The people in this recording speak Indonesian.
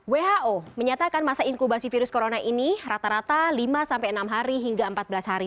who menyatakan masa inkubasi virus corona ini rata rata lima sampai enam hari hingga empat belas hari